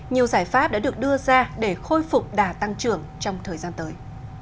nhiều giải pháp đã được đưa ra để khôi phục đà tăng trưởng trong thời gian tới